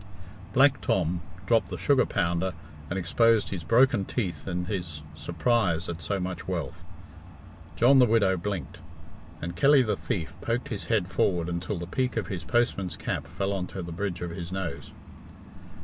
Black Tom dropped the sugar pounder and exposed his broken teeth in his surprise at so much wealth; John the Widow blinked; and Kelly the Thief poked his head forward until the peak of his postman's cap fell on to the bridge of his nose.